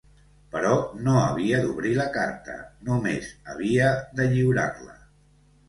Però no havia d’obrir la carta, només havia de lliurar-la.